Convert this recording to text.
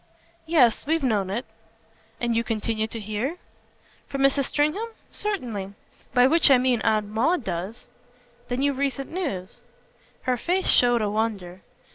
"Yes, we've known it." "And you continue to hear?" "From Mrs. Stringham? Certainly. By which I mean Aunt Maud does." "Then you've recent news?" Her face showed a wonder.